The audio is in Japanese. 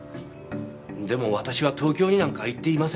でも私は東京になんか行っていませんよ。